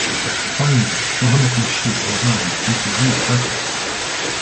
Finally, Mohamed Nasheed resigned due to these protests.